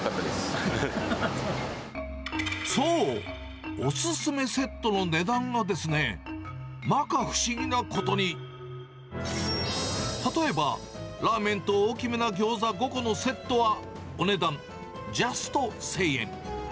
そう、オススメセットの値段がですね、まか不思議なことに、例えば、ラーメンと大きめなギョーザ５個のセットは、お値段ジャスト１０００円。